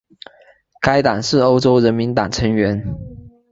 该党是欧洲人民党成员。